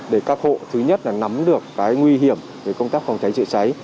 để các hộ thứ nhất là nắm được cái nguy hiểm về công tác phòng cháy chữa cháy